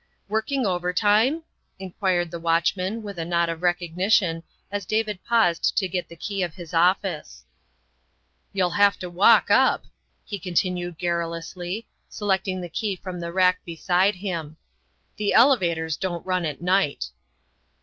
" Working overtime?" inquired the watchman with a nod of recognition as David paused to get the key of his office. " You'll have to walk up," he continued garrulously, selecting the key from the rack beside him, " the ele vators don't run at night."